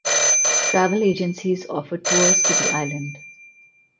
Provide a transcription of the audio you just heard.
Travel agencies offer tours to the island.